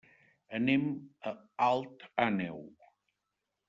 Anem a Alt Àneu.